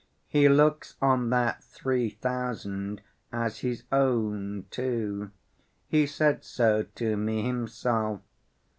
"He looks on that three thousand as his own, too. He said so to me himself.